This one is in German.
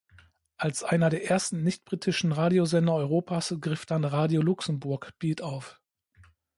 Als einer der ersten nicht-britischen Radiosender Europas griff dann "Radio Luxemburg" Beat auf.